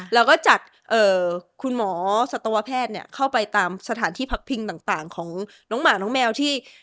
แล้วก็จัดคุณหมอสัตวแพทย์เข้าไปตามสถานที่พักพิงต่างของน้องหมาน้องแมวที่